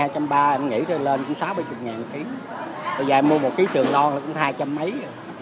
hai trăm ba mươi đồng em nghĩ lên cũng sáu mươi đồng bảy mươi đồng một khí bây giờ em mua một khí sườn non là cũng hai trăm linh đồng